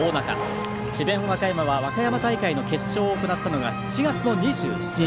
和歌山は和歌山大会の決勝を行ったのが７月の２７日。